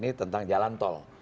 ini tentang jalan tol